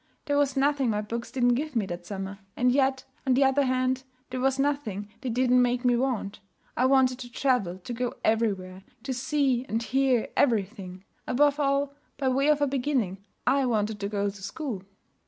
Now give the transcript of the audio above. There was nothing my books didn't give me that summer; and yet, on the other hand, there was nothing they didn't make me want. I wanted to travel, to go everywhere, to see and hear everything; above all, by way of a beginning, I wanted to go to school.